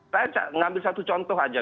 saya ambil satu contoh aja